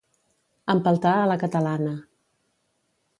Empeltar a la catalana.